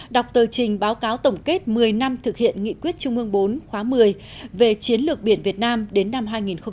đọc tờ trình báo cáo tổng kết một mươi năm thực hiện nghị quyết trung ương bốn khóa một mươi về chiến lược biển việt nam đến năm hai nghìn hai mươi